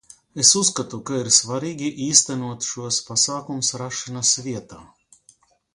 Es uzskatu, ka ir svarīgi īstenot šos pasākumus rašanās vietā.